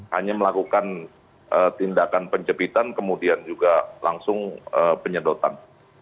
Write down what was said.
hanya melakukan tindakan penjepitan kemudian juga langsung penyedotan